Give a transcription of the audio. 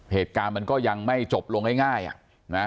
เหตุการณ์มันก็ยังไม่จบลงง่ายอ่ะนะ